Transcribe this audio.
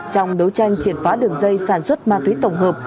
trong đấu tranh triệt phá đường dây sản xuất ma túy tổng hợp